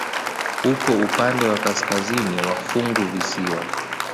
Uko upande wa kaskazini wa funguvisiwa.